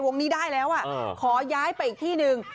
วงนี้ได้แล้วขอย้ายไปอีกที่หนึ่ง